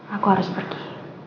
aku harus pergi